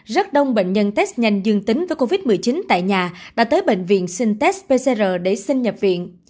rất đông bệnh nhân test nhanh dương tính với covid một mươi chín tại nhà đã tới bệnh viện xin test pcr để sinh nhập viện